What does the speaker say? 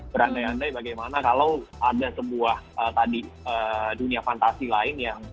berandai andai bagaimana kalau ada sebuah tadi dunia fantasi lain yang